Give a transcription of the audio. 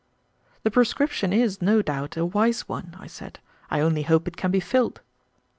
"The prescription is, no doubt, a wise one," I said; "I only hope it can be filled."